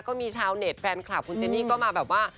ก็มีชาวเน็ตแฟนคลับคุณเจนี่ก็มาแบบว่า